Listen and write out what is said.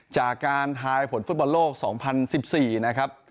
จากการทายผลฟุตบอลโลก๒๐๑๔นะครับ